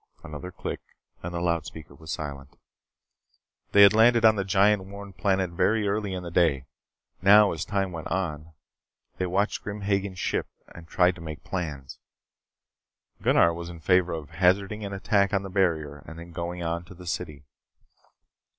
Another click and the loudspeaker was silent. They had landed on the giant, worn planet very early in the day. Now, as time went on, they watched Grim Hagen's ship and tried to make plans. Gunnar was in favor of hazarding an attack on the barrier and then going on to the city.